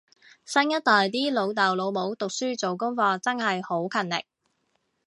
新一代啲老豆老母讀書做功課真係好勤力